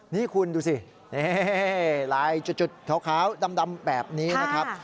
นี่คุณดูสินี่ลายจุดขาวดำแบบนี้นะครับ